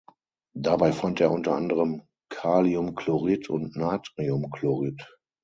Dabei fand er unter anderem Kaliumchlorid und Natriumchlorid.